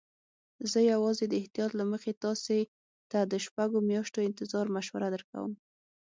زه یوازې د احتیاط له مخې تاسي ته د شپږو میاشتو انتظار مشوره درکوم.